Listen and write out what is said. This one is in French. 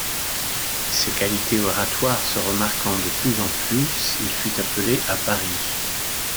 Ses qualités oratoires se remarquant de plus en plus, il fut appelé à Paris.